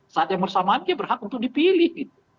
saat yang bersamaan dia berhak untuk dipilih